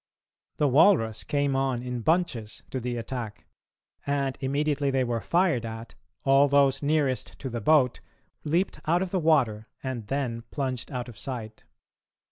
The walrus came on in bunches to the attack, and, immediately they were fired at, all those nearest to the boat leaped out of the water, and then plunged out of sight.